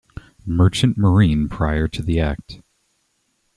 Merchant Marine prior to the Act.